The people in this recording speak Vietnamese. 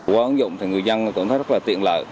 qua ứng dụng thì người dân cũng thấy rất là tiện lợi